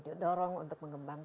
apakah ada guru yang baik